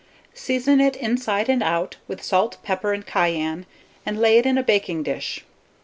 Season it inside and out with salt, pepper, and cayenne, and lay it in a baking dish.